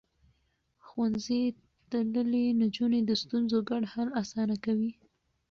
ښوونځی تللې نجونې د ستونزو ګډ حل اسانه کوي.